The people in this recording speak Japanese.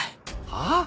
はあ？